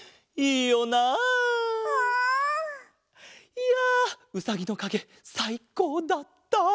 いやうさぎのかげさいこうだった。